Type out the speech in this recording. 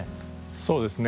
そうですね。